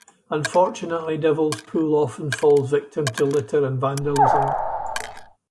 Unfortunately, Devil's pool often falls victim to litter and vandalism.